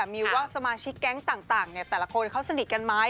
มีว่าสมาชิกแก๊งต่างแต่ละคนเขาสนิทกันไหม